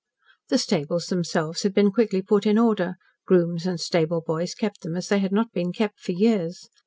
The stables themselves had been quickly put in order, grooms and stable boys kept them as they had not been kept for years.